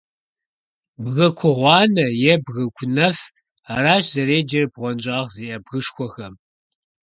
«Бгы кугъуанэ» е «бгы кунэф». Аращ зэреджэр бгъуэнщIагъ зиIэ бгышхуэхэм.